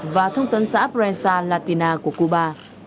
và thông tấn xã prensa latina của cuba